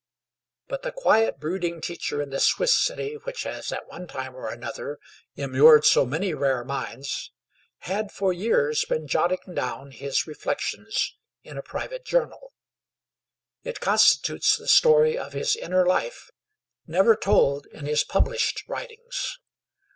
But the quiet, brooding teacher in the Swiss city which has at one time or another immured so many rare minds, had for years been jotting down his reflections in a private journal. It constitutes the story of his inner life, never told in his published writings.